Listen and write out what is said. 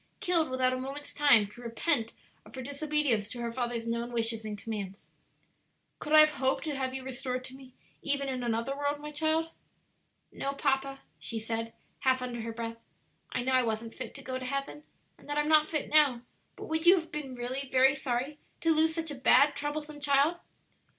killed without a moment's time to repent of her disobedience to her father's known wishes and commands? Could I have hoped to have you restored to me even in another world, my child?" "No, papa," she said, half under her breath; "I know I wasn't fit to go to heaven, and that I'm not fit now; but would you have been really very sorry to lose such a bad, troublesome child?"